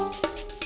oh siap oke